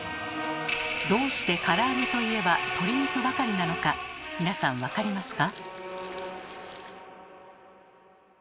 どうしてから揚げといえば鶏肉ばかりなのか皆さん分かりますか？